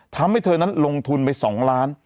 ทำให้เธอนั้นลงทุนไป๒ล้าน